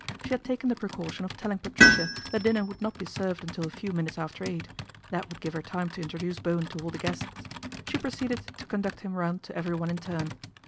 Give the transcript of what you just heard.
She had taken the precaution of telling Patricia that dinner would not be served until a few minutes after eight, that would give her time to introduce Bowen to all the guests. She proceeded to conduct him round to everyone in turn.